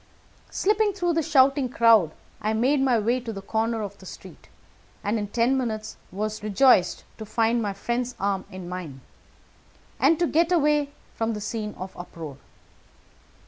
Slipping through the shouting crowd, I made my way to the corner of the street, and in ten minutes was rejoiced to find my friend's arm in mine, and to get away from the scene of uproar.